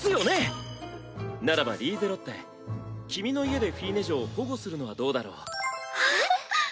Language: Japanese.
ならばリーゼロッテ君の家でフィーネ嬢を保護するのはどうだろう？えっ？